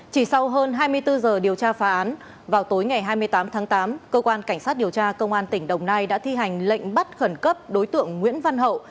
chỉ sau hơn hai mươi bốn giờ điều tra phá án vào tối ngày hai mươi tám tháng tám cơ quan cảnh sát điều tra công an tỉnh đồng nai đã thi hành lệnh bắt khẩn cấp đối tượng nguyễn văn hậu